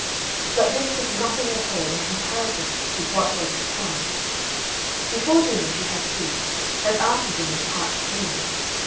But this was nothing at all in comparison with what was to come. Before dinner she had peas and after dinner parched beans.